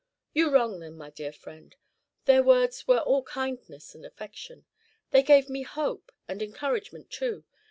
"You wrong them, my dear friend; their words were all kindness and affection. They gave me hope, and encouragement too.